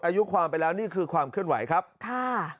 อายุความไปแล้วนี่คือความเคลื่อนไหวครับค่ะ